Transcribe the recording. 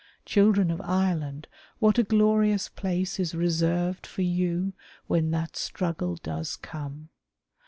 Children of Ireland what a glorious place is reserved for you when that struggle does come!